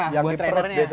iya buat trainer nya